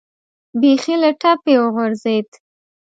بیخي له ټپې وغورځېد.